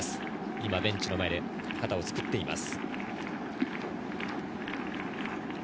今ベンチの前で肩をつくっています。